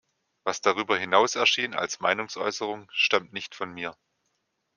Was darüber hinaus erschien, als Meinungsäußerung, stammt nicht von mir.